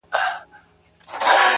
په شاعرۍ کي رياضت غواړمه.